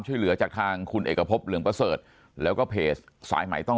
ช่วยเหลือจากทางคุณเอกพบเหลืองประเสริฐแล้วก็เพจสายใหม่ต้อง